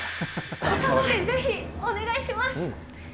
ことばでぜひお願いします。